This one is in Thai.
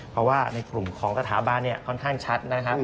เพราะว่าในกลุ่มของสถาบันเนี่ยค่อนข้างชัดนะครับ